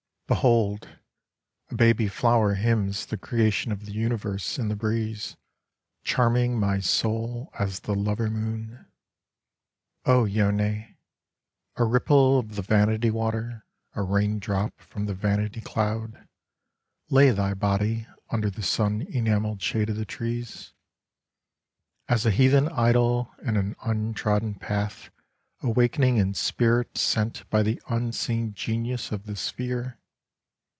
Behold, a baby flower hymns the creation of the universe in the breeze, charming my soul as the lover moon ! 14 I Hail Myself as 1 do Homer Yone, — ^a ripple of the vanity water, a rain drop from the vanity cloud, — lay thy body under the sun enamelled shade of the trees, As a heathen idol in an untrodden path awakening in spirit sent by the unseen genius of the sphere